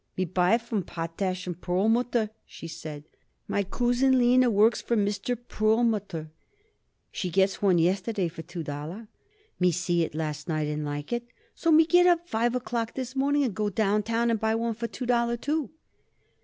"Me buy from Potash & Perlmutter," she said. "My coosin Lina works by Mr. Perlmutter. She gets one yesterday for two dollar. Me see it last night and like it. So me get up five o'clock this morning and go downtown and buy one for two dollar, too."